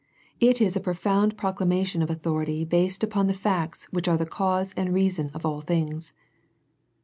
It is a profound proclamation of authority based upon the facts which are the cause and reason of all things.